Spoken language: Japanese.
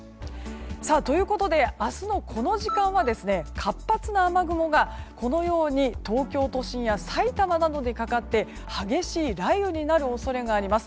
明日のこの時間は活発な雨雲がこのように、東京都心や埼玉などにかかって激しい雷雨になる恐れがあります。